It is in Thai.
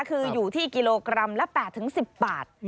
คืออยู่ที่กิโลกรัมละ๘๑๐บาท